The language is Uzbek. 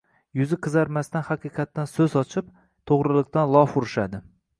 yuzi qizarmasdan haqiqatdan so'z ochib, to'g'riliqdan lof urishadi.